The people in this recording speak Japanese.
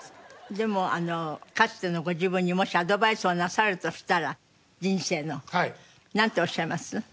でもかつてのご自分にもしアドバイスをなさるとしたら人生の。なんておっしゃいます？